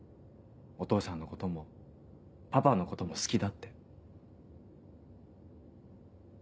お父さんのこともパパのことも好きだって。